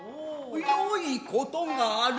よいことがある。